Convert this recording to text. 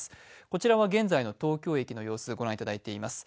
こちらは現在の東京駅の様子、御覧いただいています。